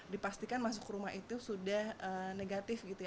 dipastikan masuk ke rumah itu sudah negatif gitu ya